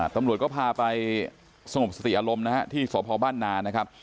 ตำรวจก็พาไปสงบสติอารมณ์นะฮะที่สพบ้านนานะครับ